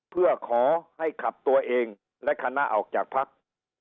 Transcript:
เพื่อขอให้ขับตัวเองและคณะออกจากพัก